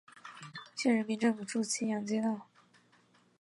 县人民政府驻青阳街道。